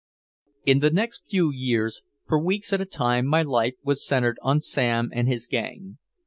In the next years, for weeks at a time my life was centered on Sam and his gang.